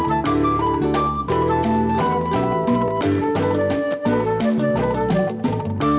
neng itu ga ada